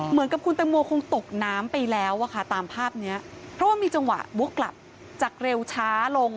เหมือนกับคุณตังโมคงตกน้ำไปแล้วอะค่ะตามภาพนี้เพราะว่ามีจังหวะวกกลับจากเร็วช้าลง